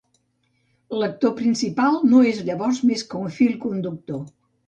L'actor principal no és llavors més que un fil conductor.